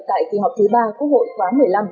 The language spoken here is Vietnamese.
tại kỳ họp thứ ba quốc hội khóa một mươi năm